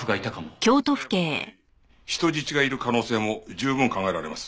最悪の場合人質がいる可能性も十分考えられます。